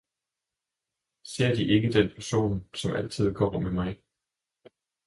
Ser De ikke den person, som altid går med mig!